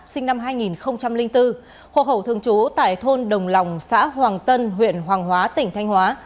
sinh năm hai nghìn bốn hồ hậu thường trú tại thôn đồng lòng xã hoàng tân huyện hoàng hóa tỉnh thanh hóa